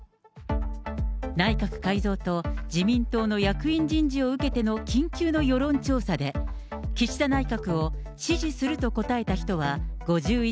内閣改造と自民党の役員人事を受けての緊急の世論調査で、岸田内閣を支持すると答えた人は５１％。